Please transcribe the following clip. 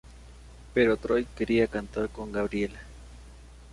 Pero Troy quería cantar con Gabriella.